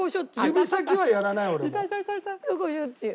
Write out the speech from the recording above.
ここしょっちゅう。